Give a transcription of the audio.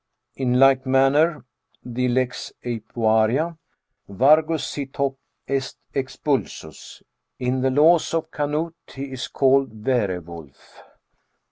In like manner the Lex Eipuaria, tit. 87, " Wargus sit, hoc est expulsus." In the laws of Canute, he is called verevulf.